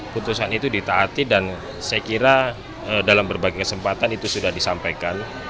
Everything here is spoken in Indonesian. putusan itu ditaati dan saya kira dalam berbagai kesempatan itu sudah disampaikan